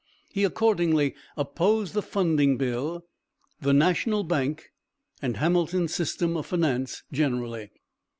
He accordingly opposed the funding bill, the national bank, and Hamilton's system of finance generally.